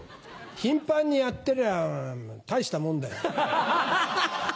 頻繁にやってりゃあ大したもんだよ。